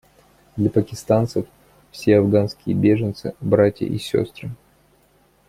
Для пакистанцев все афганские беженцы — братья и сестры.